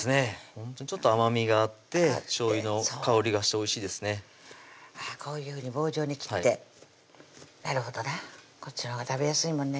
ほんとちょっと甘みがあってしょうゆの香りがしておいしいですねこういうふうに棒状に切ってなるほどなこっちのほうが食べやすいもんね